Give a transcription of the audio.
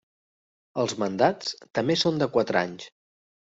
Els mandats també són de quatre anys.